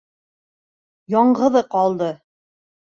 Яңғыҙы ҡалды.